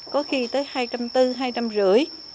có khi tới hai trăm tư hai trăm rưỡi